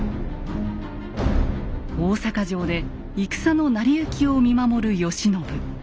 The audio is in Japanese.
大坂城で戦の成り行きを見守る慶喜。